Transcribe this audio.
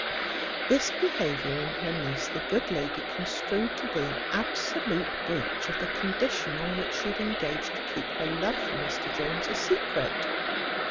This behaviour in her niece the good lady construed to be an absolute breach of the condition on which she had engaged to keep her love for Mr Jones a secret.